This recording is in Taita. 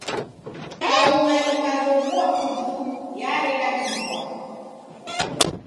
Kaung'a ikazoghua putu, yareda kifwa.